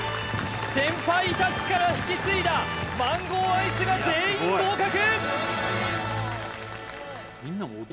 先輩達から引き継いだマンゴーアイスが全員合格！